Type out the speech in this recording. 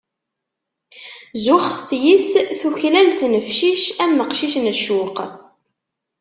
Zuxet yis-s, tuklal ttnefcic am uqcic n ccuq.